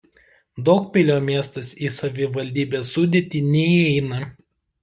Daugpilio miestas į savivaldybės sudėtį neįeina.